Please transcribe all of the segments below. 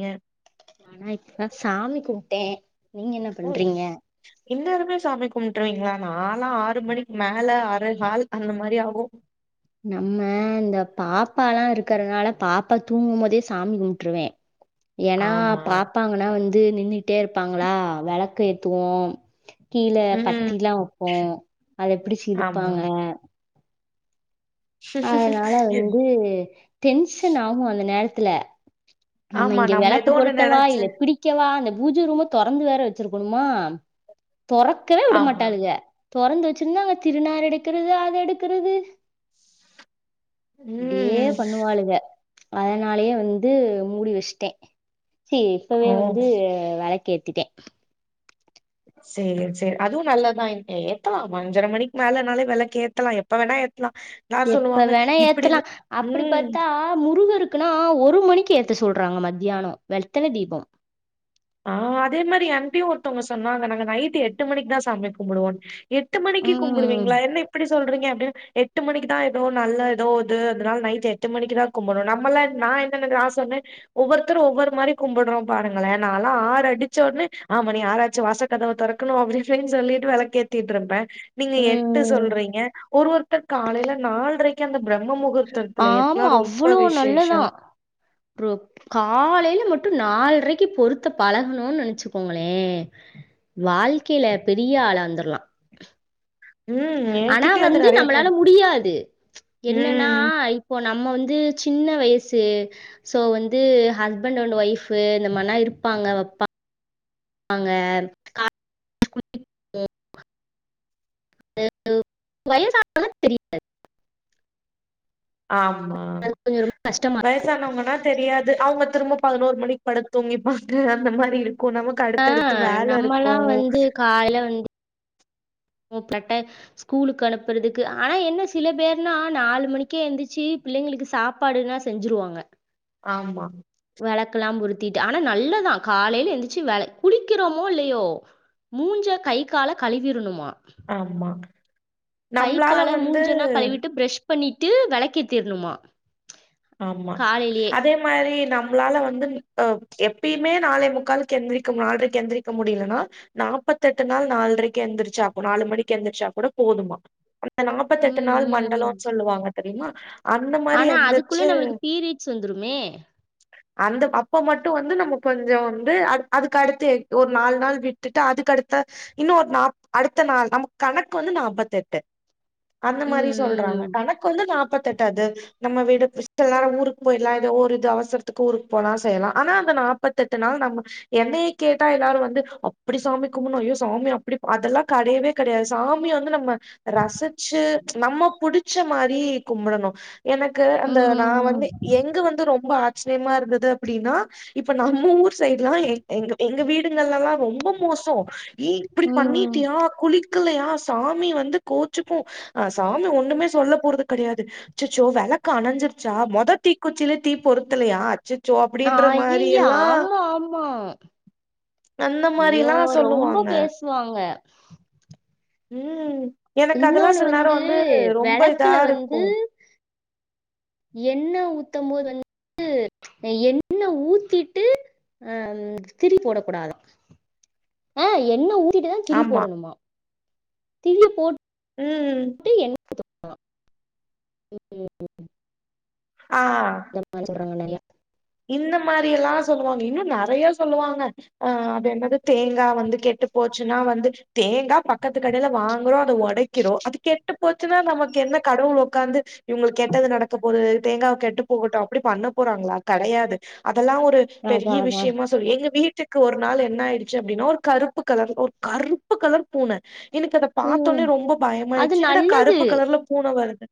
ஏ ஆனா இப்பதா சாமி கும்டே நீங்க என்ன பண்றீங்க இந்நேரமே சாமி கும்பிட்டுருவீங்களா நாலா ஆறு மணிக்கு மேல அரேகால் அந்த மாரி ஆகு நம்ம இந்த பாப்பா எல்லா இருக்கிறதுனால பாப்பா தூங்கு போதே சாமி கும்ட்டுருவே ஏன்னா ஆமா. பாப்பாங்கன்னா வந்து நின்னுட்டே இருப்பாங்களா வெளக்கு ஏத்துவோ கீழ ம். பத்திலா வைப்போ அத பிடிச்சி ஆமா. இழுப்பாங்க அதனால வந்து டென்ஷன் ஆகு அந்த நேரத்துல நம்ம ஆமா. இங்க வெளக்கு ஏதோ ஒண்ணு பொருத்தவா நெனச்சு இல்ல பிடிக் கவா அந்த பூஜ ரூமா தொறந்து வேற வச்சிருக்கணுமா தொறக்கவே ஆமா. விடமாட்டாளுக தொறந்து வச்சிருந்தா அங்க திருநாறு எடுக்குறது அத எடுக்குறது யே ம். பண்ணுவளுக அதனாலயே வந்து மூடி வச்சுட்டே சி ஓ! இப்பவே வந்து வெளக்கு ஏத்திட்டே செய்லா செர் அதுவு நல்லதா ஏத்தலா அஞ்சர மணிக் மேலனாலே வெளக் ஏத்தலா எப்ப வேணா ஏத்தலா எப்ப வேணா ஏத்தலா அப்டி ம். பத்தா னா முருகருக்குன்னா ஒரு மணிக்கு ஏத்து சொல்றாங்க மத்தியானோ வெத்தல தீபோ ஆ அதே மாரி என்டியு ஒருத்தவங்க சொன்னாங்க நாங்க நைட்டு எட்டு மணிக்கு தா சாமி கும்புடுவோன்னு எட்டு மணிக்கி ம் கும்புடுவீங்களா என்ன இ ப்டி சொல்றீங்க அப்டின் எட்டு மணிக்கு தா ஏதோ நல்ல ஏதோ இது அதனால நைட் எட்டு மணிக்குதா கும்புடுவோ நம்மள நா என்ன [inaudible] சொன்னே ஒவ்வொருத்தரு ஒவ்வொரு மாரி கும்புடுறோ பாருங்களே நாலா ஆறு அடிச்சோனே ஆ மணி ஆறாச்சு வாச கதவ தொறக்கணு அப்டிப்படின்னு சொல்லிட்டு விளக்கேத்திட்ருப்பே நீங்க எட்டு ம் சொல்றீங்க ஒரு ஒருத்தர் காலையில நால்ரை க்கி அந்த பிரம்ம முகூர்த்தத்துல ஆமா ஏத்தன ரொம்ப விசேஷ ட்ரு காலையில மட்டு நாலரைக்கி பொருத்த பழகுணுனு நெனைச்சுக்கோங்களே வாழ்க்கையில பெரிய ஆளா வந்துர்லா ம் ஆனா என்கிட்டயும் அது வந்து நெறைய நம்மளால பேர் முடியாது என்னன்னா ம். இப்போ நம்ம வந்து சின்ன வய்சு சோ வந்து ஹஸ்பண்ட் அண்ட் ஒய்ஃப் இந்த மாதிரிலா இருப்பாங்கப்பா வப்பாங் பாங்க அது வயசு [inaudible] தெரியது ஆமா கொஞ்சம் ரொம்ப கஷ்டமா வயசு வயசானவங்கன்னா தெரியாது அவுங்க திரும்ப பதினோரு மணிக் படுத்துங்கிப்பாங்க அந்த மாரி இருக்கு நமக் கு அடுத் அடுத்து வேலருக்கு காலயில வந்து போப்ரட்ட ஸ்கூலுக்கு அனுப்புறதுக்கு ஆனா என்ன சில பேர்னா நாலு மணிக்கே எந்துச்சி பிள்ளைங்களுக்கு சாப் பாடினா செஞ்சுருவாங்க ஆமா வெளக்கெல்லா பொருத்திட்டு ஆனா நல்லதா காலையில எந்திரிச்சு வெள குளிக்கிறோமோ இல்லயோ மூஞ்ச கை கால கழுவிருணுமா ஆமா கை நம்ளால கால வந்து மூஞ்ஜெல்லா கழுவிட்டு பிர்ரஷ் பண்ணிட்டு வெளக்கேத்திருனுமா ஆமா அதே இந்த மாரி நம்ளால வந்து அ எப்பயுமே நாளேமுக்கால்கு எந்திரிக்க நால்ரைக்கு எந்திரிக்க முடியலனா நாற்பத்தெட்டு நாள் நால்ரைக்கு எழுந்திரிச்சாக்கு நாலு மணிக்கு எழுந்திரிச்சா கூட போதுமா இந்த நாப்பத்தெட்டு நாள் ம், ம். மண்டலம்னு சொல்லுவாங்க தெரியுமா அந்த மாரி ஆனா எந்த அதுக்குள்ள நம்மளுக்கு பீரியட்ஸ் வந்துருமே அந்த அப்ப மட்டு வந்து நம்ம கொஞ்சோ வந்து அந் அதுக்கடுத்து ஒரு நாலு நாள் விட்டுட்டு அதுக்கு அடுத்த இன்னு ஒரு நாப் அடுத்த நாள் நம் கணக்கு வந்து நாப்பத்தெட்டு அந்த மாரி சொல்றாங்க ம், கணக்கு வந்து நாப்பத்தெட்டு அது நம்ம வீடு இஷ்டலானா ஊருக்கு போயிட்லா இல்ல ஊரு இது அவசர்த்துக்கு ஊருக்கு போலா செய்யலா ஆனா அந்த நாப்பத்தெட்டு நாள் நம்ம என்னையே கேட்டா எல்லாரு வந்து அப்டி சாமி கும்பணு அய்யோ சாமி அப்டி அதெல்லா கெடையவே கெடையாது சாமி வந்து நம்ம ரசுச்சு நம்ம புடுச்ச மாரி கும்பிடணு எனக்கு இந்த நா ம், வந்து ம், எங்க வந்து ரொம்ப ஆச்சர்யமா இருந்தது அப்டினா இப்ப நம்ம ஊர் சைடு் லா எ எங்க வீடுகள்லலா ரொம்ப மோசோ இப்டி ம். பண்ணிட்டியா குளி க்குல்லையா சாமி வந்து கோச்சுக்கு அ சாமி ஒண்ணுமே சொல்ல போறது கெடையாது அச்சசோ வெளக்கு அணஞ்சிர்ச்சா மொத தீக்குச்சிலே தீ பொருத்தலையா அச்ச சோ அப்டின்ற அய்யய்ய! மாரியெல்லா ஆமா, ஆமா. அந்த ஐயோ! மாரில்லா ரொம்ப சொல்லுவாங்க பேசுவாங்க. ம் எனக்கு அதெல்லா சில நேரோ வந்து ரொம்ப இதா விளக்குல இருக்கு எண்ணெ ஊத்தம் போது வ ந் து எண்ணெ ஊத்திட்டு அ திரி போடக்கூடாதா ஆ எண்ணெ ஊத்திட்டுதா திரி ஆமா போடணுமா திரி போட் ம் ம் ஆ [unintelligible] சொல்றாங்க நெறையா இந்த மாரி எல்லா சொல்லுவாங்க இன்னு நெறையா சொல்லுவாங்க அ அது என்னது தேங்கா வந்து கெட்டு போச்சுன்னா வந்து தேங்கா பக்கத்து கடையில வாங்குறோ அத ஒடைக்கிறோ அது கெட்டு போச்சுன்னா நமக்கு என்ன கடவுள் உக்காந்து இவங்களுக்கு கெட்டது நடக்க போகுது தேங்கா கெட்டு போகட்டு அப்டி பண்ண போறாங்களா கெடையாது அதெல்லா ஒரு பெரிய அதான், அதான். விஷ்யமா எங்க வீட்டுக்கு ஒரு நாள் என்ன ஆய்டுச்சு அப்டின்னா ஒரு கருப்பு கலர் ஒரு கருப்பு கலர் பூன எனக்கு அத பார்த்தொனே ம். ரொம்ப அது பயமாயிச்சு என்னடா நல்லது. கருப்பு கலர்ல பூன வருது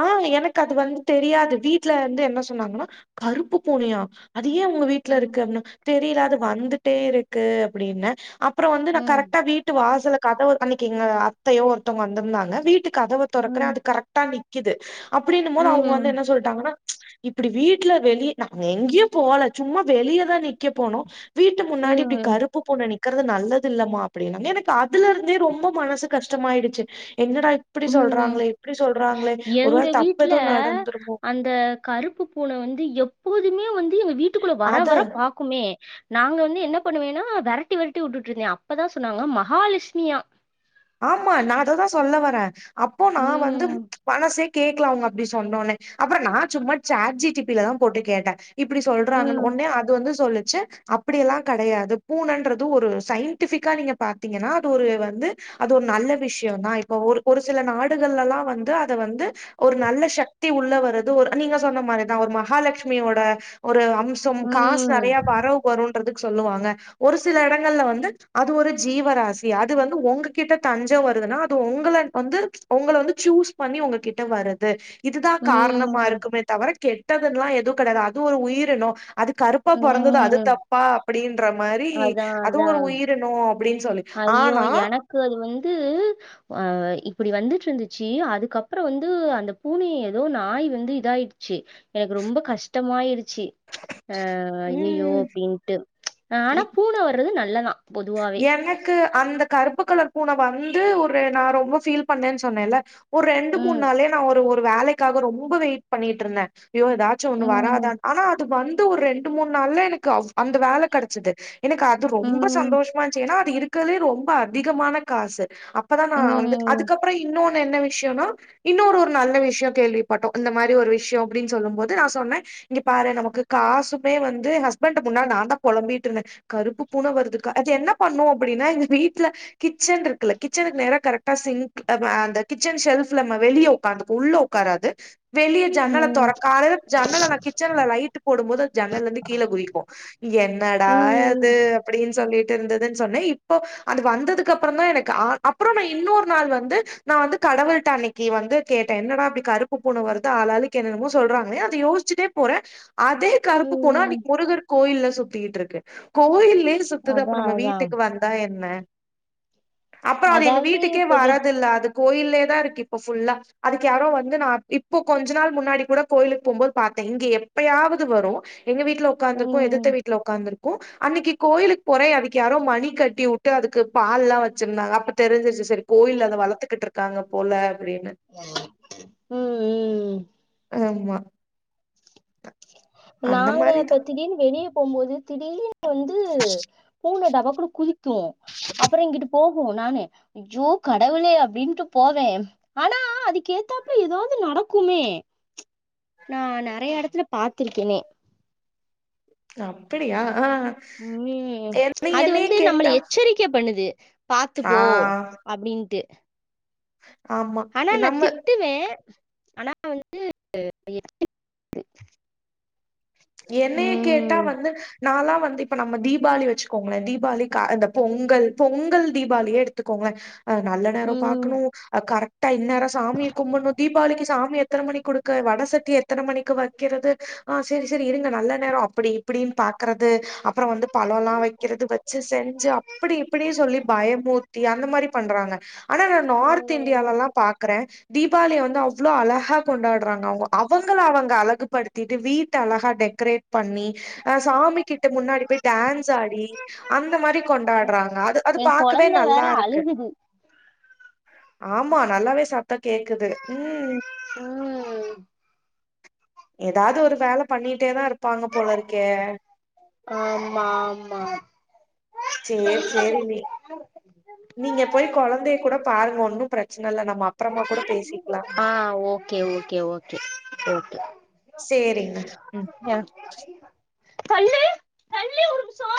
ஆ எனக்கு அது வந்து தெரியாது வீட்ல இருந்து என்ன சொன்னாங்கனா கருப்பு பூனையா அது ஏ உங்க வீட்ல ம், இருக்கு அப்புனாங் தெரியல அது வந்துட்டே இருக்கு அப்டின்னே அப் அப்றோ வந்து நா ம், கரெக்டா வீட்டு வாசல்ல கதவு அன்னைக்கு எங்க அத்தையோ ஒருத்தவங்க வந்துருந்தாங்க வீட்டு கதவ தொறக்கற அது ம், கரெக்டா நிக்கிது அப்டின்னும் போது அவுங்க வந்து ம், என்ன சொல் டாங்கனா இப்டி வீட்ல வெளிய நாங்க எங்கேயு போல சும்மா வெளியதா நிக்க போனோ வீட்டுக்கு ம், முன்னாடி இப்டி கருப்பு பூன நிக்கறது நல்லது இல்லமா அப்டின்னாங் எனக்கு அதுல இருந்தே ரொம்ப மனசு கஷ்டமாயிடுச்சு என்னடா இப்டி ம். சொல்றாங்களே இப்டி சொல்றாங்களே ஒரு வேல தப்பு எதுவு நடந்துருக்குமோ இந்த கருப்பு பூன வந்து எப்போதுமே வந்து எங்க வீட்டுக்குள்ள வர அது வர பாக் குமே நாங்க வந்து என்ன பண்ணுவேனா வெரட்டி வெரட்டி வுட்டுட்டு இருந்தே அப்பதா சொன்னாங்க மகாலெஷ்மியா ஆமா நா அததா சொல்ல வரே அப்போ நா வந்து ம். மனசே கேட்கல அவுங்க அப்டி சொன்னோனே அப்பற நா சும்மா சாட் ஜி டி பி ல தா போட்டு கேட்டே இப்டி சொல்றாங்கனு ம். ஒன்னே அது வந்து சொல்லிச்சு அப்டியெல்லா கெடையாது பூனன்றது ஒரு சயின்டிஃபிக்கா நீங்க பாத்தீங்கனா அது ஒரு வந்து அது ஒரு நல்ல விஷயதா இப்ப ஒரு ஒரு சில நாடுகள்லல்லா வந்து அத வந்து ஒரு நல்ல சக்தி உள்ள வர்றது ஒரு நீங்க சொன்ன மாரிதா ஒரு மகாலட்சுமியோட ஒரு அம்ஸ் செம் காசு ம். நெறைய வரு வருன்றதுக்கு சொல்லுவாங்க ஒரு சில எடங்கள்ல வந்து அது ஒரு ஜீவராசி அது வந்து ஒங்க கிட்ட தஞ்ச வருதுன்னா அது உங்கள வந்து உங்கள வந்து சூஸ் பண்ணி உங்ககிட்ட வருது இதுதா காரணமா ம். இருக்குமே தவர கெட்டதுல்லா எதுவு கெடையாது அது ஒரு உயிரினு அது கருப் பா பொறந்தது அது ம். தப்பா அப்டின்ற மாரி அதான், அது ஒரு அதான். உயிரினோ அப்டின்னு சொல்லி ஐயோ ஆனா எனக்கு அது வந்து அஹ் இப்டி வந்துட்டு இருந்துச்சு அதுக்கப்பறோ வந்து அந்த பூனய ஏதோ நாய் வந்து இதாயிடுச்சு எனக்கு ரொம்ப கஷ்டமாயிருச்சி அஹ் அய்யயோ ம் அப்டின்ட்டு ஹ ஆனா பூன வர்றது நல்லதா எனக் கு அந்த கருப்பு கலர் பூன வந்து ஒரு நா ரொம்ப ஃபீல் பண்ணேன்னு சொன்னேல ஒரு ரெண்டு மூணு ம் நாளே நா ஒரு ஒரு வேலைக்காக ரொம்ப வெயிட் பண்ணிட்டு இருந்தே ஐயோ ஏதாது ச்சு ஒண்ணு ம் வராதான் ஆனா அது வந்து ஒரு ரெண்டு மூணு நாள்ல எனக்கு அவ் அந்த வேல கெடச்சது எனக்கு அது ரொம்ப ம் சந்தோஷமா இருந்துச்சு ஏனா அது இருக்கிறதுலே ரொம்ப அதிகமான காசு அப்பதா நா வந்து ம் அதுக்கப்பறோ இன்னொனு என்ன விஷ்யோனா இன்னு ஒரு ஒரு நல்ல விஷ்யோ கேள்விப்பட்டோ அந்த மாரி ஒரு விஷ்யோ அப்டின்னு சொல்லும் போது நா சொன்னே இங்க பாரு நமக்கு காசுமே வந்து ஹஸ்பண்ட முன்னா நா தா பொலம்பிட்டு இருந்தே கருப்பு பூனை வருது க அது என்ன பண்ணோ அப்டின்னா இது வீட்ல கிச்சன் இருக்குல கிச்சனுக்கு நேரா கரெக்டா சிங்க் அப் அந்த கிச்சன் ஷெல்ப்ல நம்ம வெளிய உக்காந்து உள்ள ஒக்காரது வெளிய ஜன்னலை ம் தொறக்காதனு ஜன்னல நா கிச்சன்ல லைட்டு போடுபோது ஜன்னல்ல இருந்து கீழே குதிக்கு என்னடா அது ம் அப்டின்னு சொல்லிட்டு இருந்ததுனு சொன்னே இப்போ அது வந்ததுக்கு அப்பறோ தா எனக்கு ஆ அப்பறோ நா இன்னொரு நாள் வந்து நா வந்து கடவுள்ட அன்னைக்கி வந்து கேட்டே என்னடா இப்டி கருப்பு பூனை வருது ஆளாளுக்கு என்னனனுமோ சொல்றங்களே அத யோசிச்சுட்டே போறே அதே கருப்பு பூன ம் அன்னைக்கி முருகர் கோயில்ல சுத்திட்டு இருக்கு கோயில்லயே சு த்துது அப்ப அதான் நம்ம அதான் வீட்டுக்கு வந்தா என்ன அப்றோ அது எங்க அதாவது வீட்டுக்கே இப்ப வெ வரதில்ல அது கோயில்லயே தா இருக்கு இப்ப ஃபுல்லா அதுக்கு யாரோ வந்து நா இப்போ கொஞ்ச நாள் முன்னாடி கூட கோயிலுக்கு போகுபோது பாத்தே இங்க எப்பயாவது வரு எங்க வீட்ல ஒக்காந்துருக்கு எதுத்த ம் வீட்ல ஒக்காந்துருக்கு அன்னைக்கி கோயிலு போறே அதுக்கு யாரோ மணி கட்டி வுட்டு அதுக்கு பால் எலா வச்சிருந்தாங்க அப்ப தெரிஞ்சிருச்சு செரி கோயில்ல அத வளத்துகிட்டுரு க்காங்க போல அப்டின்னு ம் ம் ஆமா அந்த நாங்க மாரிதா இப்ப திடீர்னு வெளிய போகுபோது திடீர்னு வந்து பூன டபக்குனு குதி க்கு அப்பறோ இங்கிட்டு போகு நானு அய்யோ கடவுளே அப்டின்ட்டு போவே ஆனா அதுக்கு ஏத்தாப்பல ஏதாவது நடக்குமே நா நெறைய எடத்துல பா த்துருக்கேனே அப்டியா ஆஹ் ம் அது வந்து நம்மள எச்சரிக்கை பண்ணுது ஆ பாத்துப்போ அப்டின்ட்டு ஆமா ஆனா நா நம்ம திட்டுவே ஆனா வந்து [inaudible] என்னைய கேட்டா வந்து நாலா வந்து இப்ப நம்ம தீபாளி வச்சுக்கோங்ளே தீபாளி கா இந்த பொங்கல் பொங்கல் தீபாளியே எடுத்துக்கோங்ளே அ நல்ல நேரொ ம் ம் பாக்ணு அ கரெக்டா இந்நேரோ சாமி கும்புன்னு தீபாளிக்கு சாமிய எத்தன மணி குடுக்க வடை சட்டி எத்தன மணிக்கு வக்கிறது ஆஹ் செரி செரி இருங்க நல்ல நேரோ அப்டி இப்டின்னு பாக் க்றது அப்புறம் வந்து பழொல்லா வைக்கிறது வச்சு செஞ்சு அப்பிடி இப்பிடி சொல்லி பயமூ டி அந்த மாரி பண்றாங்க ஆனா நா நார்த் ம் இந்தியாலல்லாம் பாக்குறே தீபாவிளிய வந்து அவ்ளோ அழகா கொண்டாட்றாங்க அவுங்க அவங்கள அவங்க அழகுபடுத்திட்டு வீட் ட அழகா டெக்கரேட் பண்ணி அ சாமி கிட்ட முன்னாடி டான்ஸ் ஆடி அந்த மாரி கொண்டாட்றாங்க அது அது எ பாக்கவே கொழந்த வேற நல்லாருக்கு அழுகுது ஆமா நல்லாவே சாப்ட்டா கேக்குது ம் ம் எதாவ்து ஒரு வேல பண்ணிட்டேதா இருப்பாங்க போலருக்கே ஆமா ஆமா சேரி சேரி நீ நீங்க போய் கொழந்தைய கூட ஆமா பாருங்க ஒன்னும் பிரச்சன இல்ல நம்ம அப்பறமா கூட பேசிக்லா ஆ ஓகே ஓகே ஓகே ஓகே சேரிங்க ம் தண்ண தண்ணி உச்சா